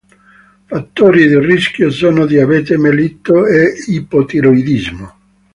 Fattori di rischio sono diabete mellito e ipotiroidismo.